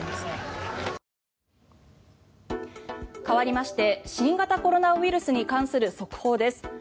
かわりまして新型コロナウイルスに関する速報です。